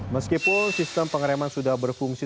meskipun sistem pengereman sudah berfungsi